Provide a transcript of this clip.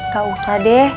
gak usah deh